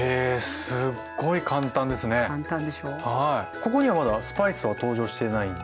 ここにはまだスパイスは登場してないんですね。